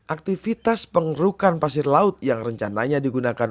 aktivitas pengerukan pasir laut yang rencananya digunakan